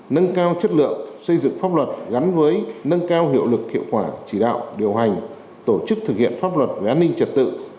nâng cao chất lượng xây dựng pháp luật gắn với nâng cao hiệu lực hiệu quả chỉ đạo điều hành tổ chức thực hiện pháp luật về an ninh trật tự